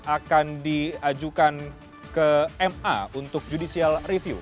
akan diajukan ke ma untuk judicial review